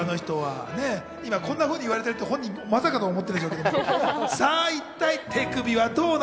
今、こんなふうに言われてるって、まさかと思ってるでしょうね。